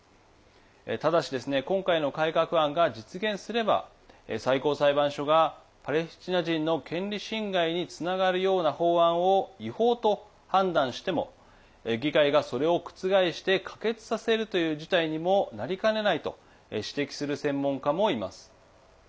ただし今回の改革案が実現すれば最高裁判所がパレスチナ人の権利侵害につながるような法案を違法と判断しても議会がそれを覆して可決させるという事態にもなりかねないと指摘する専門家もいます。